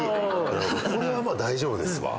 これは大丈夫ですわ。